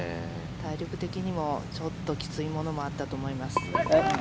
体力的にもちょっときついものもあったと思います。